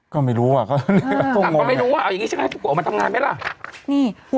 ก็ไม่รู้ว่าเอาอย่างนี้ใช่ไหมออกมาทำงานไหมล่ะ